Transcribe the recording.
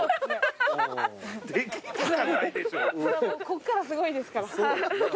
こっからすごいですから。